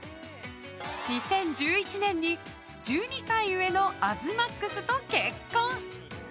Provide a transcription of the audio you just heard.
２０１１年に１２歳上の東ＭＡＸと結婚。